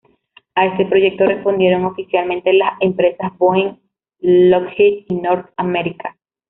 A este proyecto respondieron oficialmente las empresas Boeing, Lockheed y North American.